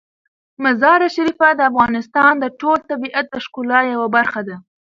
مزارشریف د افغانستان د ټول طبیعت د ښکلا یوه برخه ده.